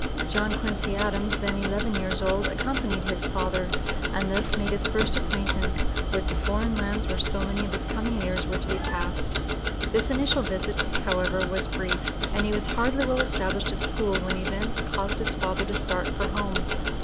John Quincy Adams, then eleven years old, accompanied his father and thus made his first acquaintance with the foreign lands where so many of his coming years were to be passed. This initial visit, however, was brief; and he was hardly well established at school when events caused his father to start for home.